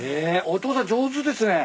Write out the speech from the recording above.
お父さん上手ですね。